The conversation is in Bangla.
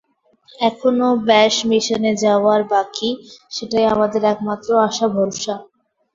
এখনও ব্যাশ মিশনে যাওয়ার বাকি, সেটাই আমাদের একমাত্র আশা ভরসা!